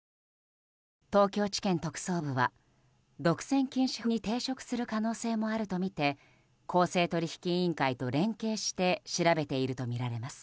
東京地検特捜部は、独占禁止法に抵触する可能性もあるとみて公正取引委員会と連携して調べているとみられます。